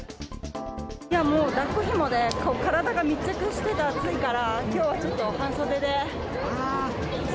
もうだっこひもで体が密着してて暑いから、きょうはちょっと半袖で。